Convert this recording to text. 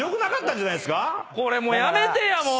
これもうやめてや！